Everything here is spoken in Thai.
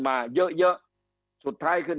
คำอภิปรายของสอสอพักเก้าไกลคนหนึ่ง